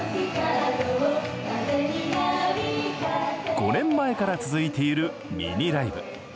５年前から続いているミニライブ